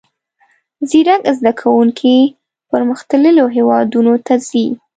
زیرک زده کوونکي پرمختللیو هیوادونو ته ځي.